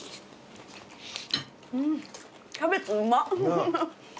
うんキャベツうまっ。